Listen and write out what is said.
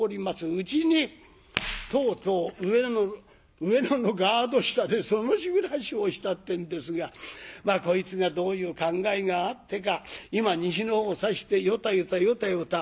うちにとうとう上野のガード下でその日暮らしをしたってんですがまあこいつがどういう考えがあってか今に西のほうを指してよたよたよたよた。